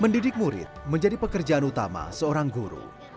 mendidik murid menjadi pekerjaan utama seorang guru